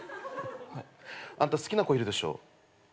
あんた好きな子いるでしょ。